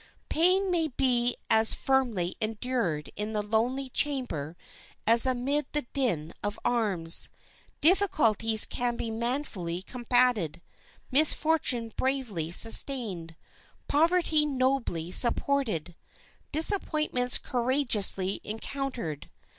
Pain may be as firmly endured in the lonely chamber as amid the din of arms. Difficulties can be manfully combated, misfortune bravely sustained, poverty nobly supported, disappointments courageously encountered.